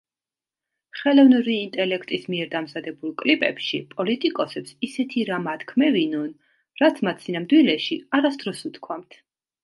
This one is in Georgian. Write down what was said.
ხელოვნური ინტელექტის მიერ დამზადებულ კლიპებში, პოლიტიკოსებს ისეთი რამ ათქმევინონ, რაც მათ სინამდვილეში არასდროს უთქვამთ.